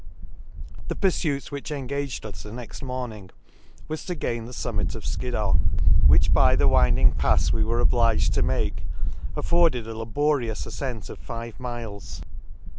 The purfuit which engaged us the next morning was to gain the fuminit of Skid dow, which by the winding pafs we were obliged to make afforded a labo rious afcent of five miles.